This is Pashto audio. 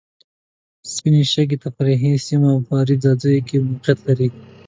سپینې شګې تفریحي سیمه په اریوب ځاځیو کې موقیعت لري.